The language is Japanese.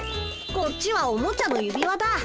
こっちはおもちゃの指輪だ。